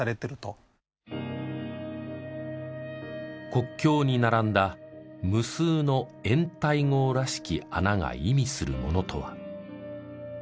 国境に並んだ無数の掩体壕らしき穴が意味するものとは？